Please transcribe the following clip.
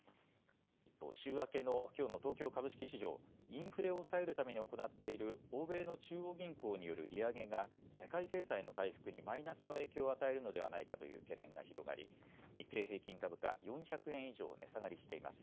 一方、週明けのきょうの東京株式市場、インフレを抑えるために行っている欧米の中央銀行による利上げが世界経済の回復にマイナスの影響を与えるのではないかという懸念が広がり、日経平均株価４００円以上値下がりしています。